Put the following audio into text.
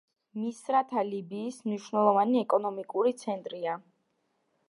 მისრათა ლიბიის მნიშვნელოვანი ეკონომიკური ცენტრია.